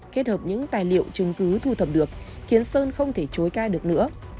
kết hợp những tài liệu chứng cứ thu thập được khiến sơn không thể chối ca được nữa